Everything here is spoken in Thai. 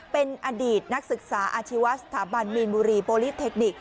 เป็นอดีตนักศึกษาอาชีวสถาบันมีนบุรีโปรลีเทคนิค